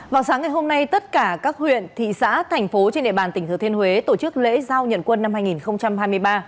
vào sáng ngày hôm nay tất cả các huyện thị xã thành phố trên địa bàn tỉnh thừa thiên huế tổ chức lễ giao nhận quân năm hai nghìn hai mươi ba